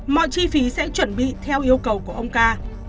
mọi chi phí sẽ chuẩn bị theo yêu cầu của ông ca